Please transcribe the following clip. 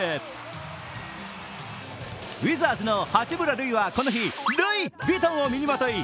ウィザーズの八村塁はこの日、ルイ・ヴィトンを身にまとい